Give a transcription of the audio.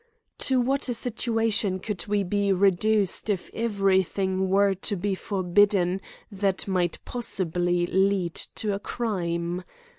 To what a situation should we be reduced if every thing were to be forbidden that mighc possibly lead to a crime